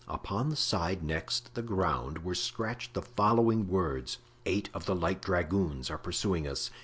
Upon the side next the ground were scratched the following words: "Eight of the light dragoons are pursuing us.